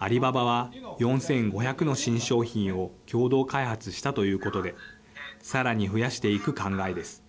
アリババは４５００の新商品を共同開発したということでさらに増やしていく考えです。